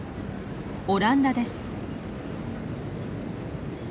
オランダです。